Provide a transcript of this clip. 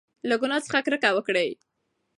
له ګناه څخه کرکه وکړئ.